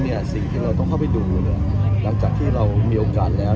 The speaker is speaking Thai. สิ่งที่เราต้องเข้าไปดูเนี่ยหลังจากที่เรามีโอกาสแล้ว